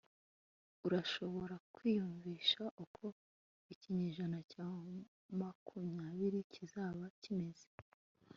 urashobora kwiyumvisha uko ikinyejana cya makumya biri kizaba kimeze